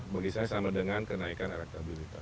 bagi saya sama dengan kenaikan elektabilitas